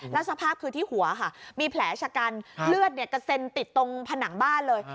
แล้วสภาพคือที่หัวค่ะมีแผลชะกันเลือดกระเซ็นติดตรงผนังบ้านเลย